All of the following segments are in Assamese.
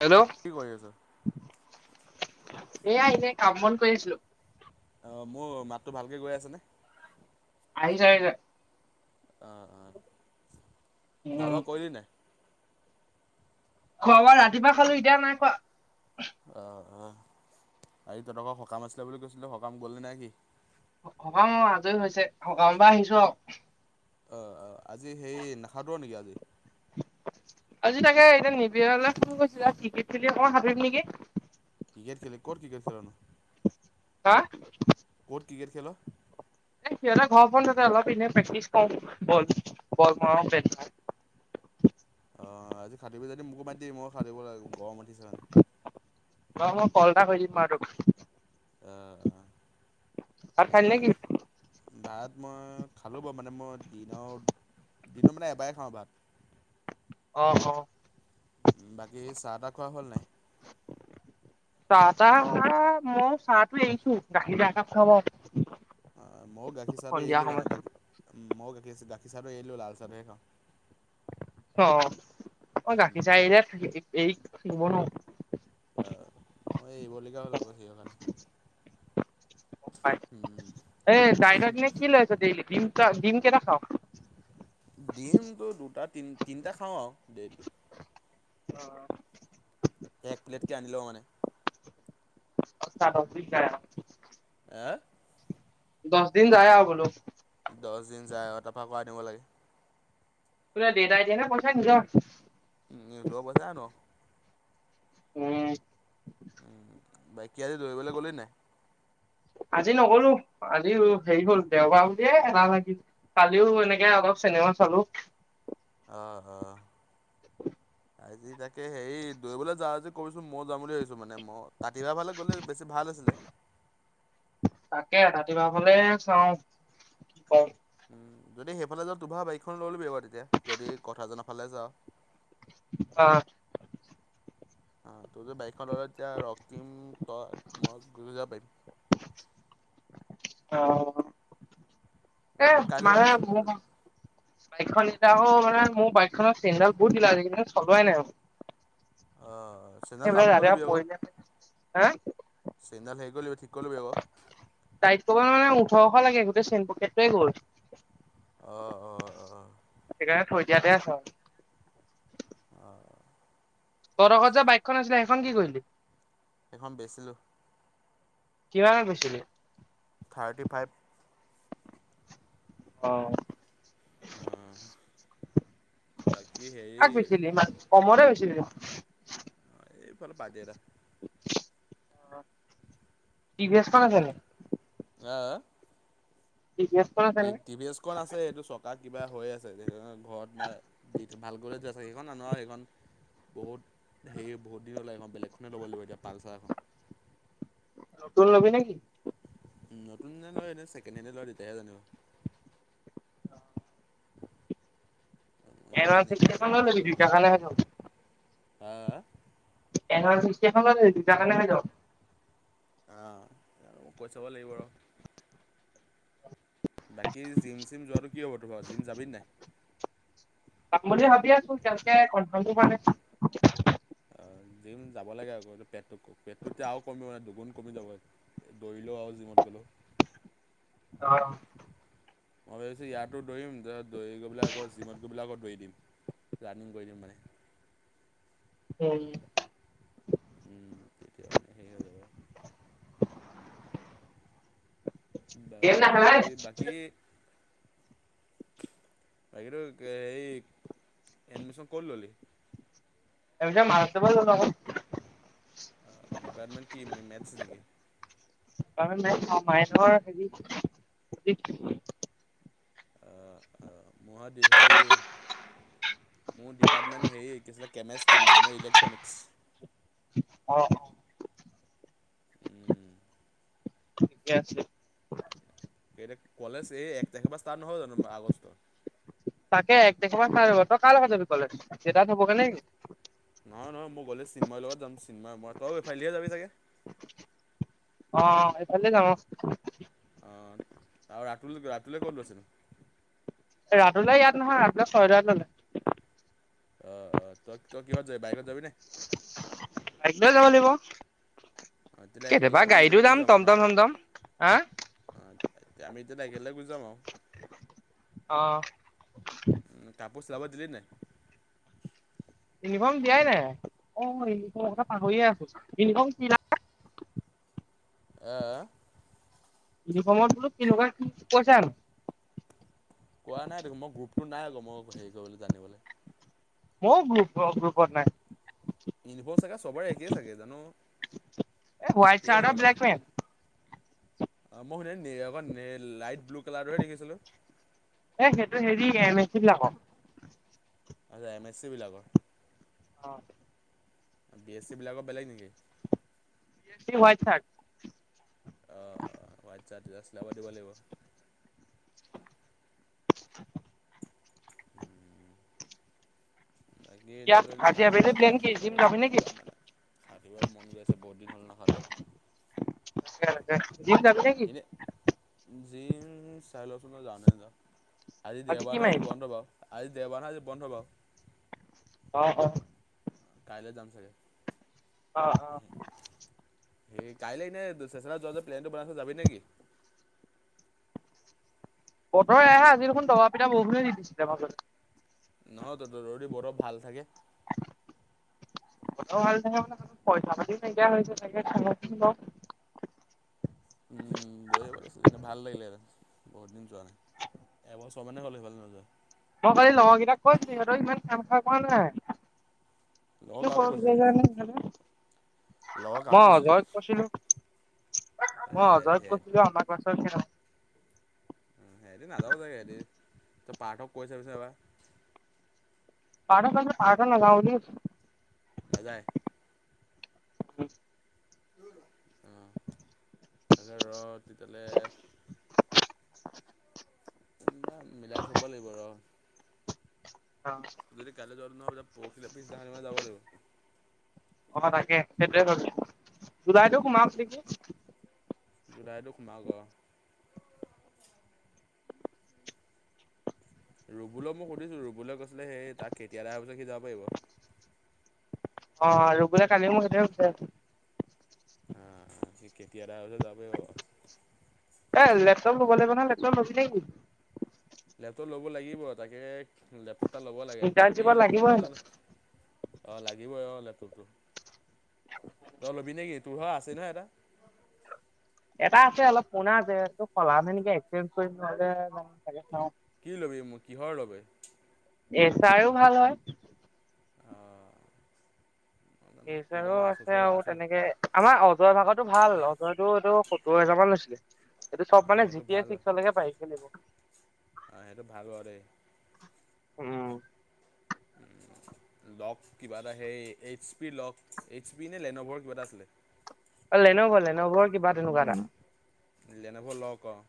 হেল্ল, কি কৰি আছ? ' এ আইনে কাম-বনঢ কৰি আছিলো। অ, মোৰ মাতটো ভালকে গৈ আছেনে? আহিছে আহিছে। অ - অ খোৱা উম বোৱা কৰিলি নাই? খোৱা বোৱা ৰাতিপুৱা খালো এতিয়া নাই খোৱা। অ - অ আহ, তহতকৰ সকাম আছিলে বুলি কৈছিলে সকাম গ'ল নে নাই কি? সকাম অঁ আজৰি হৈছে সকামপা আহিছো আৰু। অ - অ আজি সেই নাখাটোৰ নেকি আজি? আজি তাকে এতিয়া নিবিৰলে ফোন কৰিছিলো ক্ৰিকেট খেলি অকমান সাঁতোৰিম নেকি। ক্ৰিকেট খেলে ক'ত ক্ৰিকেট খেল'নো? হা? ক'ত ক্ৰিকেট খেল? ঘ তাতে অলপ এনে প্ৰেক্টিচ কৰ বল - বল মৰা ব অ, আজি খাটিবি যদি মোকো মাতি দিবি মই খাটিব লাগিব। গৰম উঠিছে মানে। অ, মই কলটা কৰি দিম বা তোক। অঁ অঁ ভাত মানে খালি নেকি ভাত মই খালো বাৰু মানে মই দিনৰ দিনৰ মানে এবাৰেই খাওঁ ভাত। আহ উ বাকী চাহ তাহ খোৱা হল নাই? চাহ তাহ মই চাহটো এৰিছো গাখীৰ চাহ একাপ খাও আৰু। অঁ মইওঁ গাখীৰ চাহটো সন্ধিয়া এৰিলো মানে সময়ত বা মই গাখীৰ গাখীৰ চাহটো এলো লাল চাহটো সে খাওঁ। অ - অ গাখীৰ খাওঁ। চাই যে থ এই থাকিব ন। এতিয়া মই এইবলগা হল নোৱাৰো আকৌ সিহৰ কাৰণে। উম এই ডাইগাৰ কি লইচ দেইলী ডিমকা ডিম কেইটা খাও? ডিমটো দুটা তি তিনিটা খাও আৰু ডেইলি। এক প্লেটকে আনি লওঁ মানে। অ [inaudible] হা দশ দিন যায় বোলো। দহ দিন যায় তাফা আকৌ আনিব লাগে। বোলে দেতাই দিয়ে নে পচা নিজৰ? নিজৰ পইচা আনো। উম, উম, বাইকি আজি দৌৰিবলৈ গ'লেই নাই? আজি নগলো আজিও হেৰি হল দেওবাৰ বুলিয়ে এই এলাহ লাগিল কালিও এনেকে অলপ চেনে ক চালো অহ - অহ। আজি তাকে হেৰি দৌৰিবলৈ যাও আজি কবিছো মই যাম বুলি ভাবিছো মানে মই কাতিৱাৰ ফালে গ'লে বেছি ভাল আছিলে। [inaudible] তাকে ৰাতিপুৱা ফালে চাও কি কওঁ যদি সেইফালে যাও তোমাৰ বাইকখন লৈ ল'বি বাৰু তেতিয়া যদি কথা জনা ফালে যাও। অ', আহ, তোৰ যে বাইকখন ললে এতিয়া ৰক্তিম তই মই গুচ যাব পাৰিম। [inaudible] অ, এ পাৰিম মই কাইলৈ মানে ভাবিছোঁ বাইকখন এতিয়াকৌ মানে মোৰ বাইকনৰ চেণ্ডদাল বহুত দিলা কিন্তু চলোৱাই নাই। অহ ', ত প ন [unintelligible] চেইনডাল হেৰি কৰিবল ঠিক কৰিবলবি আকৌ। ছশ লাগে গোটেই চেনপকটোৱে গ'ল। অঁ অঁ অঁ এ থৈ দিয়াতে আছে আও। অ', তহতঁক যে বাইকখন আছিলে সেইখন কি কৰিলি এখন বেচিলো। কিমানত বেছিলি? থাৰ্টি ফাইভ অঁ। বাকী হেৰি কাক বেছিলি? ইমান কমৰে ব উম। এইফালে পাৰ্টি এটা। টি ভি এছ খন আছে নেকি? অঁ? খন আছে নে টিভি এছখনন আছে এইটো চকা কিবা হৈ আছে সেই ঘৰত ন দি থ ভাল কৰি য আছে সেইখন আনো আৰু সেইখন বহুত হেৰি বহুত দিন 'লে এখন বেলেগখনেই ল'ব লাগিব এতিয়া পালচাৰ এখন। নতুন লবি নে কি! নতুন লয় নে ছেকেণ্ড সেণ্ড লয় তেতিয়াহে জানিব। অঁৱ মই এডান ইমান ইমান সেইটো ল ল লখা। আ? এণ ওৱান চিক্টি এখন লৈ লবি দুটা কাৰণে হৈ যাব। আহ মোক কৈ চাব লাগিব আৰু। বাকী জিম চিম যোৱাতটো কি হ'ব তোৰ জিম যাবি নাই। পাম বুলি ভাবি আছো তেনেকে কনফাৰ্মটো হোৱা নাই। জিম যাব লাগে আকৌ পেটটো পেটটো এতিয়া আৰু কমিব নে দুগুণ কমি যাব দৌলেও আৰু জিমত হলো [unintelligible] অঁ। মই ভাবিছো ইয়াতো দৌৰিম তাৰত দৌৰি গৈ পেলাই আকৌ চিমট গৈ পেলাই আকৌ দৌৰি দিম। ৰানিং কৰি দিম মানে। উম। তেতিয়া মানে হেৰি হৈ যাব [unintelligible] বাকী নেখেলা নি? বাকী বাকীটো এই এডমিশন কত ললি? এ যে মাৰাষ্ট্ৰ ব ন অঁ ডিপাৰ্টমেণ্ট কি মেথছ নেকি? মা মাই নৰ হেৰি [unintelligible] আঁহ আঁহ ম সেই মোৰ ডিপাৰ্টমেণ্ট হেৰি কি হৈছিলে কেমেষ্টি মাইন'ৰ ইলেক্ট্ৰনিক্। আঁহ [unintelligible] ঠিকে আছে [unintelligible] কলেজ এই এক তাৰিখৰ পৰা ষ্টাৰ্ট নহয় জানো আগষ্ট? তাকে এক তাৰিখৰ পৰাই ষ্টাৰ্ট হব। তই কাৰ লগত যাবি কলেজ? দেউতাই থবগে নেকি? নহয় নহয় মই গ'লে চিমাৰ লগত যাম চিমাৰ মই তই এফালেহে যাবি চাগে সেইফালে যাওঁ আও। অঁ আৰু ৰাতুল ৰাতুল ক'ত আছিল ন। ৰাতুল দাই ইয়াত নহয় ৰাতুলে ছয়দাত ললে আহ আহ তই তই কিহত যাবি বাইকত যাবি নাই? তই যাব লাগিব। অঁ তেতিয়া একেলে কেতিয়াবা আমি গুটেই গাড়ীতো গুচ যাম আৰু ন টমটম চমটম হা অ আমি তেতিয়াহলে একেল যাম আও অ কাপ। কাপোৰ চিলাব দিলি নাই। ইউনিফৰ্ম দিয়াই নাই অ ইউনিফৰ্ম এ পাহৰিয়ে আছো ইউনিফৰ্ম কিনা এহ। ইউনিৰ্মৰ ম কিনকা কি পচা আছে। কোৱা নাই দে মই গ্ৰুপটো নাই আকৌ মই হেৰি কৰিবলৈ জানিবলৈ। মোৰ গ্ৰুপ গ গ্ৰুপত নাই। ইনভলভ চাগে চবৰে একেই চাগে জানো এই হোৱাইট একেই চাৰ্ট হ'ব আৰু লাগে। ব্লেক পেণ্ট অ মই শুন অ লাইট ব্লু কালাৰটোহে দেখিছিলো। এ সেইটো হেৰি মিস্তিবিলাকক। আচ্ছা এম এছ চি বিলাকৰ। অ বি এছ চি বিলাকৰ বেলেগ নেকি। উৱাই থাকে। অ ৱাইট চাৰ্ট চিলাব দিব লাগিব। বাকী এতিয়া ত যদি আজি ভাত খাব আবেলি যাও প্লেন কি মোকো জিম কৈ দিবি যাবি ময়ো নেকি যাম মানে। খাটিব আৰু মন গৈ আছে বহুত দিন হ'ল নহয় এইটো। জিম যাবি নেকি এনেই জিন্স। চাই লওচোন ন যাও নে নাযাও আজি দেওবাৰ কি ন আজি মাৰিবি বন্ধ বাও। আজি দেওবাৰ হয় আজি বন্ধ বাও। অ অ। কাইলৈ যাম চাগে। অ অ। সেই কাইলৈ এনে চেচৰা যোৱা যে প্লেনটো বনাইছো যাবি নেকি। বতৰ এয়াহে আজি দেখোন দবা পিঠা বৰুষুণে দি দিছিলে তমাকত। নহয় ত যদি বতৰ ভাল থাকে। কও ভাল থাকে মান পইচা পাতি নাইকিয়া হৈছে। উম বজি পিছিলনে ভাল লাগিলে হেতেন। বহুত দিন যোৱা নাই এবছৰ মানে হ'ল সেফালে নোযোৱা। মই খালি লগৰ কেইটাক কৈছো আৰু ইমান কাম খাৰ কৰা নাই। লগৰ কি কাক ক যে কৈছিলি? ভালে। লগৰ কাক মই কৈছিলি? অজয়ক কৈছিলো। এ মই সেহেঁতি অজয়ত কৈছিলো আমাৰ পাছ কি না। হেতি নাযাব চাগে হেতি তই পাৰ্থক কৈ চাবি চোন এবাৰ পাৰ্থক কৈছিলো পাৰ্থই নাযাও বুলি কৈছে। নেযায়। উ। অঁ তাকে ৰ তেতিয়াহলে। [unintelligible] মিলাই চাব লাগিব ৰ। যদি কাইলৈ যোৱাতো নহয় পৰখিলে পিছবেলা যাব লাগিব। অ তাকে সেইটোৱে কৈছো দুদাইতটো সোমাও নেকি। জুলাইটো সোমাব অহ। ৰুবুলক মই সুধিছো ৰুবুলে কৈছিলে সেই তাক খেতি এদায় হলে সি যাব পাৰিব। অ ৰুবুলে কালি মোক সেইটোৱে সুধিছে। অ সি খেতি এদাই হলে যাবই অ এ লেপটপ লব লাগিব ন লেপটপ লবি নেকি। লেপটপ লব লাগিব তাকে। অ ল'ব লাগে কি ইণ্টাৰ্ণশ্বিপত লেপটপ লাগিব লই হেনো। জানো অ লাগিবই অ লেপ। তই ল'বি নেকি তোৰ ভাগৰ আছে নহয় এটা। এটা আছে অলপ পুৰনা আছে এইটো সলামে নহলে এক্সেঞ্জ কৰি নহলে চাগেচ নাও কি ল'বি মোক- কিহৰ বাবে? এ চাইও ভাল হয় অঁ জানো কি ল'ম এছাৰৰ আছে আচুচৰ আৰু আচুচ তেনেকে আমাৰ অজয় ভাগত তো ভাল। অজয়টো এই সত্তৰ হাজাৰ মান লৈছিলে। এইটো চব অঁ মানে সেইটো জি টি ভাল হয় চিক্সলৈকে পাৰি খেলিব আগতে উম লক কিবা এটা, সেই এইচ পিৰ লক- এইচ পি নে লেনভৰ কিবা এটা আছিলে। অ' লেনভ- লেনভৰ কিবা তেনেকুৱা এটা। লেন'ভ' ল'ক অ'।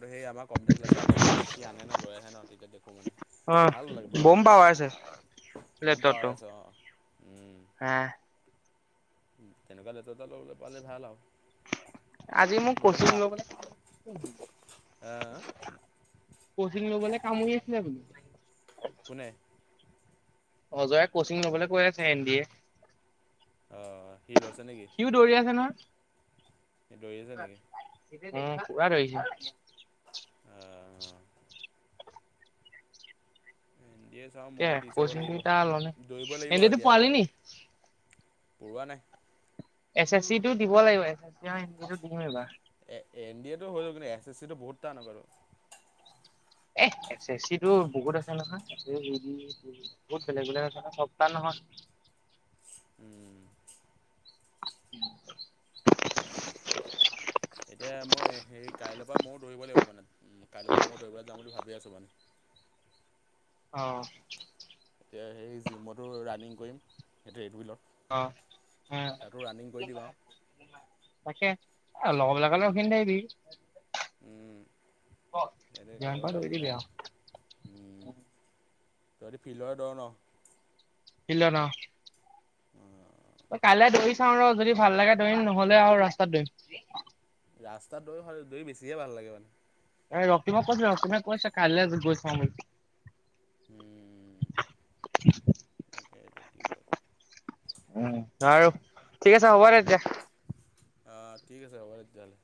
আৰু সেই আমাৰ কম্পিউটাৰ ক্লাছৰ আগতে মানে সি আনে ন লৈ আহে ন তেতিয়া দেখোঁ মানে অ' ভাল লাগে বাও বম পাৱাৰ আছে দেউতাহতক বম লেপটপটো পাৱাৰ আছে অ'। উম। হা তেনেকুৱা লেপটপ এটা লবলে পালে, ভাল আৰু। আজি মোক কোচিং নতুবা লৈবলে আহ কচিং লবলে কামোৰি আছিলে বুলো কোনে? অজয়ে কচিং লবলৈ কৈ আছে এন ডি এ। অহ সি লৈছে নেকি? সিও দৌৰি আছে নহয় সি দোৰি আছে নেকি? উম পোৰা দৌৰিছে অহ উম দিয়ে চাওঁ। তাকে ময়ো দি চাব কচিংটো লাগিব। এতিয়া ল'লে দৌৰিব এন লাগিব ডি এ টো এতিয়া পোৱালি নি? গৈ [unintelligible] পৰুৱা নাই এছ এছ চি টো দিব লাগিব এছ এছ চি আৰু এন ডি তো দিম এইবাৰ এ এন ডি হৈযাব কিন্তু এছ এছ তো বহুত টান সবাইটো এহ, এছ চি এ ছিটো বহুত আছে নহয়। [inaudible] বহুত বেলেগ - বেলেগ আছে নহয়। সপ্তাহ নহ [unintelligible] উম। উ [unintelligible] এতিয়া মই হেৰি কাইলৈৰ পৰা ময়ো দৌৰিব লাগিব মানে। কাইলৈৰ পৰা ময়ো দৌৰিবলৈ যাম বুলি ভাবি আছোঁ মানে। [unintelligible] অ'। এতিয়া সেই জিমতো ৰানিং কৰিম, সেই অ উম। ট্ৰেডমিলত। তাতো ৰানিং কৰি দিম আৰু। তাকে লগৰ বিলাকলে উম, ৰখি নাথাকিবি উম, ক সেইটো যিমান কেতিয়াবা পাৰ দৌৰি লাগিম দিবি যাৰ উম, আও তহঁতি ফিল্ডৰ দৌৰ ন'? ফিল্ডত অ'। উম কাইলে দৌৰি চাওঁ ৰ'। যদি ভাল লাগে দৌৰিম, নহ'লে আৰু ৰাস্তাত দৌৰিম। ৰাস্তাত দৌৰি- দৌৰি বেছিহে ভাল লাগে মানে। অ ৰক্তিম কৈছিল ৰক্তিম কৈছে কাললৈ গৈ চাওঁ বুলি উম তাকে এতিয়া কি কয় উম, বাৰু। ঠিক আছে। হ'ব দে এতিয়া। অ' ঠিক আছে। হ'ব দে, তেতিয়াহলে।